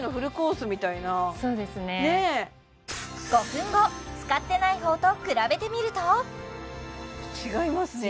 ５分後使ってない方と比べてみると違いますね